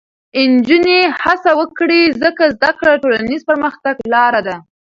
نجونې هڅه وکړي، ځکه زده کړه د ټولنیز پرمختګ لاره ده.